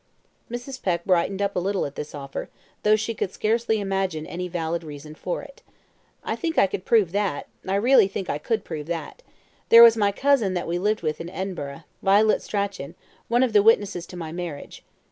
Mrs. Peck brightened up a little at this offer, though she could scarcely imagine any valid reason for it. "I think I could prove that; I really think I could prove that. There was my cousin that we lived with in Edinburgh, Violet Strachan, one of the witnesses to my marriage.